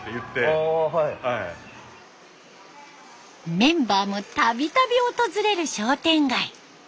メンバーもたびたび訪れる商店街。